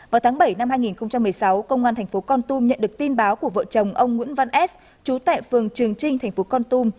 vào tháng bảy năm hai nghìn một mươi sáu công an thành phố con tum nhận được tin báo của vợ chồng ông nguyễn văn s trú tại phường trường trinh thành phố con tum